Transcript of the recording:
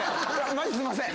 マジすいません。